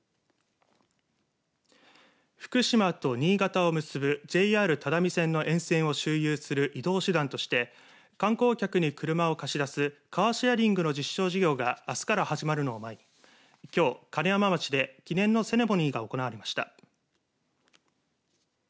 福島と新潟を結ぶＪＲ只見線の沿線を周遊する移動手段として観光客に車を貸し出すカーシェアリングの実証事業があすから始まるのを前にきょう金山町で記念のセレモニーが行われました。